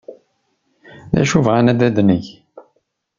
D acu bɣant ad neg?